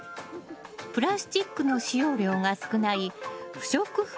プラスチックの使用量が少ない不織布プランター。